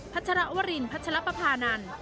ัชรวรินพัชรปภานันทร์